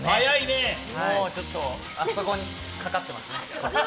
ちょっと、あそこにかかってますね。